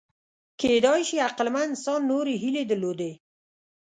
کېدای شي عقلمن انسان نورې هیلې درلودې.